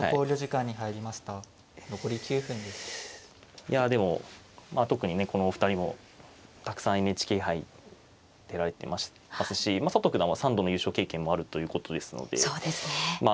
いやでもまあ特にねこのお二人もたくさんＮＨＫ杯出られてますし佐藤九段は３度の優勝経験もあるということですのでまあ